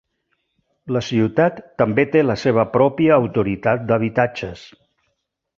La ciutat també té la seva pròpia autoritat d'habitatges.